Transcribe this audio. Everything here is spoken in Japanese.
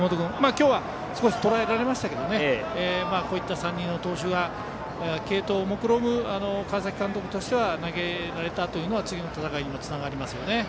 今日は少しとらえられましたがこういった３人の投手が継投をもくろむ川崎監督としては投げられたというのは次の戦いにもつながりますよね。